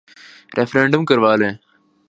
Referendum کروا لیں۔